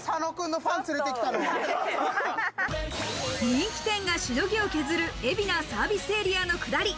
人気店がしのぎを削る海老名サービスエリアの下り。